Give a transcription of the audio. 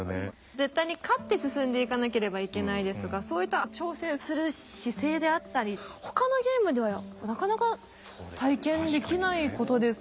絶対に勝って進んでいかなければいけないですがそういった挑戦する姿勢であったり他のゲームではなかなか体験できないことですよね。